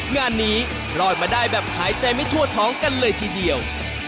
งานนี้รอดมาได้แบบหายใจไม่ทั่วท้องกันเลยทีเดียว